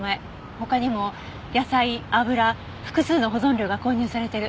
他にも野菜油複数の保存料が混入されてる。